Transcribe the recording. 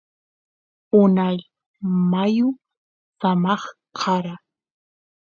unay mayu samaq kara